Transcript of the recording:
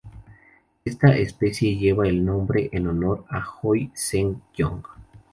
Esta especie lleva el nombre en honor a Hoi-sen Yong.